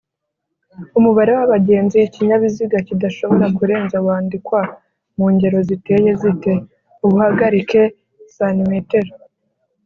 Umubare w’abagenzi ikinyabiziga kidashobora kurenza wandikwa mu ngeroziteye zite?ubuhagarike cm